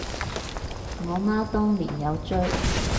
我媽當年有追